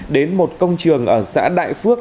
đến một công trường ở xã đại phước